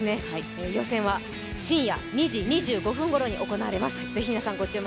予選は深夜２時２５分ごろに行われます。